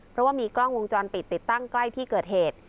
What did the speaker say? เพราะว่ามีกล้องวงจรปิดติดตั้งใกล้ที่เกิดเหตุ